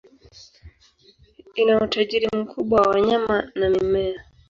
Ina utajiri mkubwa wa wanyama na mimea.